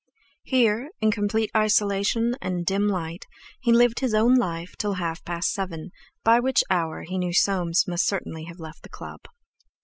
Here, in complete isolation and a dim light, he lived his own life till half past seven, by which hour he knew Soames must certainly have left the club.